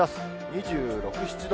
２６、７度。